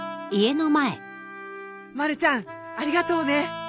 まるちゃんありがとうね。